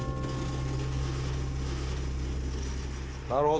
なるほど。